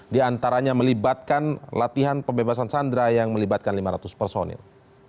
di antaranya melibatkan latihan pembebasan sandera yang melibatkan lima ratus personil